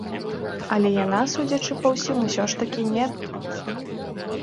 Але яна, судзячы па ўсім, усё ж такі не адбылася.